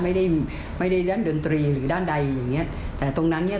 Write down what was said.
ไม่ได้ไม่ได้เล่นดนตรีหรือด้านใดอย่างเงี้ยแต่ตรงนั้นเนี้ย